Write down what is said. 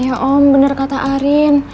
iya om bener kata arin